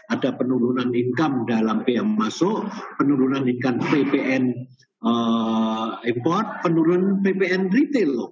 ada penurunan income dalam pm masuk penurunan incon ppn import penurunan ppn retail